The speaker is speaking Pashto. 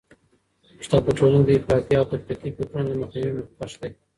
استاد په ټولنه کي د افراطي او تفریطي فکرونو د مخنیوي مخکښ دی.